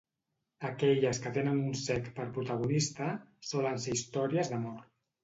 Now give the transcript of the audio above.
Aquelles que tenen un cec per protagonista solen ser històries d'amor.